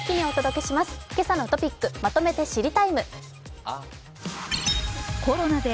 「けさのトピックまとめて知りＴＩＭＥ，」。